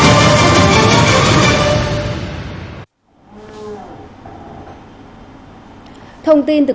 năm học hai nghìn hai mươi hai hai nghìn hai mươi ba sắp bắt đầu